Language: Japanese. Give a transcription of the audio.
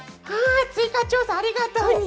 追加調査ありがとうにゅ。